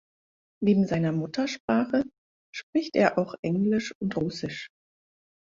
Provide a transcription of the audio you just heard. Neben seiner Muttersprache spricht er auch Englisch und Russisch.